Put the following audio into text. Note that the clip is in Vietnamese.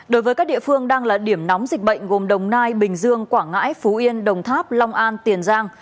đối với các địa phương đang là điểm nóng dịch bệnh gồm đồng nai bình dương quảng ngãi phú yên đồng tháp long an tiền giang